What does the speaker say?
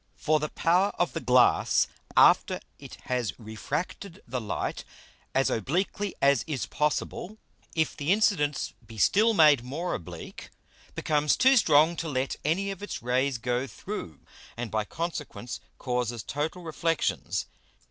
For the power of the Glass after it has refracted the Light as obliquely as is possible, if the Incidence be still made more oblique, becomes too strong to let any of its Rays go through, and by consequence causes total Reflexions.